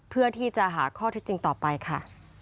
เพื่อที่จะหาข้อเท็จจริงต่อไปค่ะ